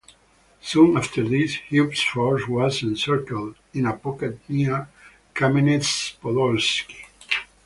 Soon after this, Hube's force was encircled in a pocket near Kamenets-Podolsky.